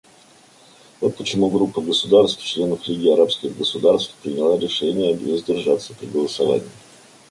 Вот почему группа государств — членов Лиги арабских государств приняла решение воздержаться при голосовании.